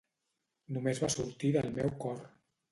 Només va sortir del meu cor.